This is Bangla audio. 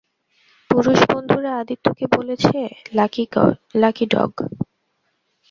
পুরুষ বন্ধুরা আদিত্যকে বলেছে, লাকি ডগ।